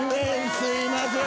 すいません。